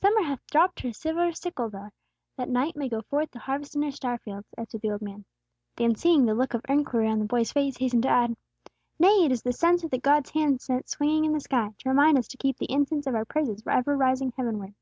"Summer hath dropped her silver sickle there, that Night may go forth to harvest in her star fields," answered the old man. Then seeing the look of inquiry on the boy's face, hastened to add, "Nay, it is the censer that God's hand set swinging in the sky, to remind us to keep the incense of our praises ever rising heavenward.